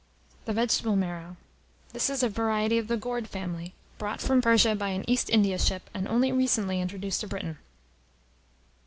] THE VEGETABLE MARROW. This is a variety of the gourd family, brought from Persia by an East India ship, and only recently introduced to Britain.